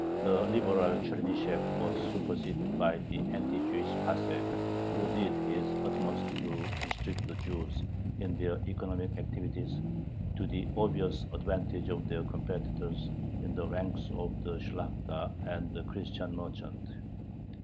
The liberal Chernyshev was superseded by the anti Jewish Passek, who did his utmost to restrict the Jews in their economic activities, to the obvious advantage of their competitors in the ranks of the Shlakhta and the Christian merchants.